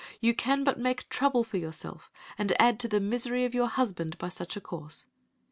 You can but make trouble for yourself and add to the misery of your husband by such a course.